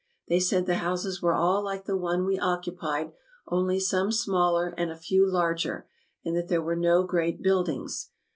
They said the houses were all like the one we occupied, only some smaller, and a few larger, and that there were no great buildings.